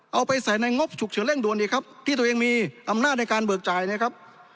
เอาไปใส่ในงบฉุกเฉินเร่งด่วนดีครับที่ตัวเองมีอำนาจในการเบิกจ่ายนะครับ